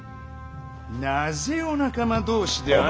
なぜお仲間同士で争う。